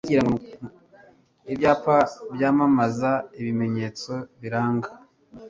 ibyapa byamamaza ibimenyetso biranga